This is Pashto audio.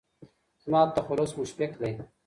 زما تخلص مشفق دی